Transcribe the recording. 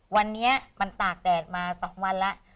วันนี้มันตากแดดมา๒วันแล้ว